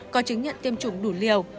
có chứng nhận tiêm chủng đủ liều